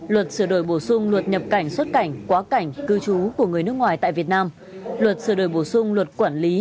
luật sửa đổi bổ sung luật nhập cảnh xuất cảnh quá cảnh cư trú của người nước ngoài tại việt nam luật sửa đổi bổ sung luật quản lý